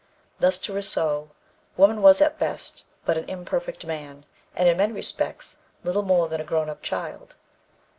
Thus, to Rousseau, woman was at best but "an imperfect man," and, in many respects, little more than "a grown up child."